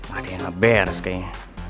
ada yang ngebers kayaknya